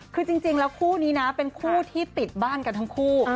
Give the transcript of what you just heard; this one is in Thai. คือจริงแล้วคู่นี้นะเป็นคู่ที่ติดบ้านกันทั้งคู่